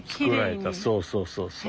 そうそうそうそう。